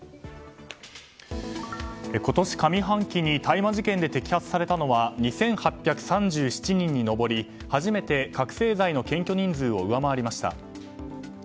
今年上半期に大麻事件で摘発されたのは２８３７人に上り初めて覚醒剤の検挙人数を上回りました。